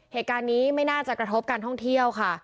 เหตุการณ์นี้ไม่น่าจะกระทบการท่องเที่ยวค่ะ